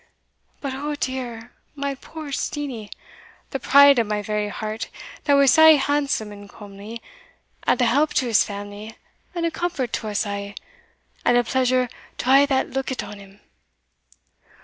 But, oh dear! my poor Steenie! the pride o' my very heart, that was sae handsome and comely, and a help to his family, and a comfort to us a', and a pleasure to a' that lookit on him!